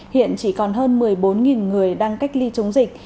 hiện chỉ còn hơn một mươi bốn người đang cách ly chống dịch